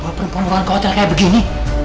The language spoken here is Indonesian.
bawa perempuan ke hotel kayak begini